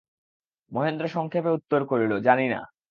মহেন্দ্র সংক্ষেপে উত্তর করিল, জানি না।